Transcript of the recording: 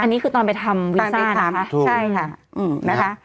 อันนี้คือตอนไปทำวีซ่านะคะตอนไปทำใช่ค่ะอืมนะคะ